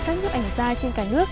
các nước ảnh gia trên cả nước